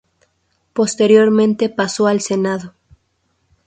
Posteriormente pasó al Senado.